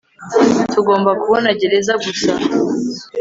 Tugomba kubona gereza gusa